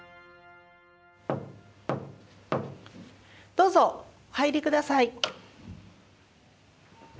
どうぞお入りください。